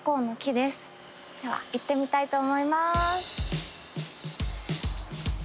では行ってみたいと思います。